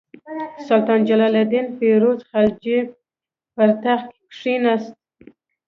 سلطان جلال الدین فیروز خلجي پر تخت کښېناست.